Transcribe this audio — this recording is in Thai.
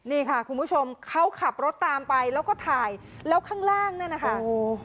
นี่ค่ะคุณผู้ชมเขาขับรถตามไปแล้วก็ถ่ายแล้วข้างล่างนั่นนะคะโอ้โห